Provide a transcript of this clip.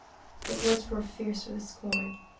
The words were fierce with scorn.